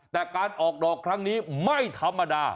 แต่การออกดอกครั้งนี้ไม่ธรรมดา